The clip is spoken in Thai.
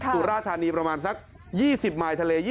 สุราษณีย์ประมาณสัก๒๐ไมล์ทะเล